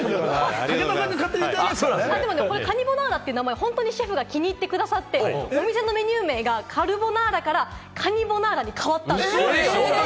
カニボナーラって名前を本当にシェフが気に入ってくださって、お店のメニュー名がカルボナーラからカニボナーラに変わったんです。